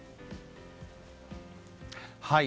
はい。